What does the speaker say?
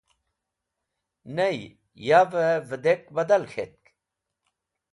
Ney yavẽ vẽdek badal k̃hetk.